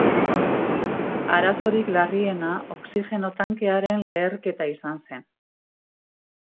Arazorik larriena oxigeno tankearen leherketa izan zen.